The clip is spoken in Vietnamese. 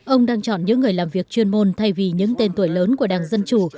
ông đang chọn những người làm việc chuyên môn thay vì những tên tuổi lớn của đảng dân chủ